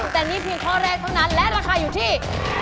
แต่นี่เพียงข้อแรกเท่านั้นและราคาอยู่ที่